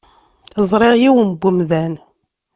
Ẓriɣ yiwen n umdan.